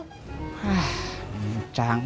hah emang chang